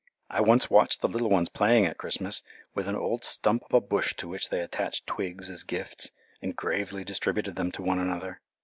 I once watched the little ones playing at Christmas with an old stump of a bush to which they attached twigs as gifts and gravely distributed them to one another.